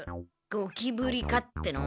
ゴキブリかっての。